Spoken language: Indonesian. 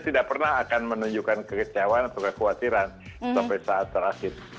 tidak pernah akan menunjukkan kekecewaan atau kekhawatiran sampai saat terakhir